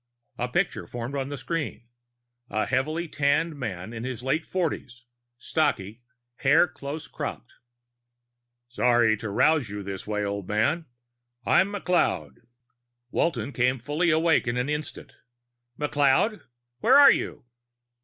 A picture formed on the screen: a heavily tanned man in his late forties, stocky, hair close cropped. "Sorry to roust you this way, old man. I'm McLeod." Walton came fully awake in an instant. "McLeod? Where are you?"